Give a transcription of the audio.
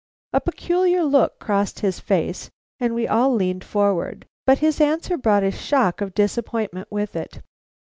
A peculiar look crossed his face and we all leaned forward. But his answer brought a shock of disappointment with it.